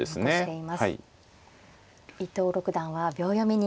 伊藤六段は秒読みに。